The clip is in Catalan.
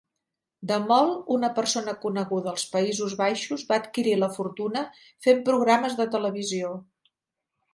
De Mol, una persona coneguda als Països Baixos, va adquirir la fortuna fent programes de televisió.